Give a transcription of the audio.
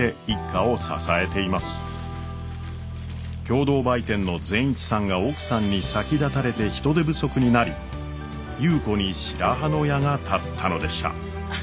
共同売店の善一さんが奥さんに先立たれて人手不足になり優子に白羽の矢が立ったのでした。